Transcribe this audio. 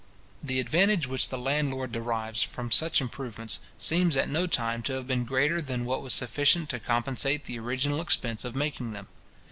The advantage which the landlord derives from such improvements, seems at no time to have been greater than what was sufficient to compensate the original expense of making them.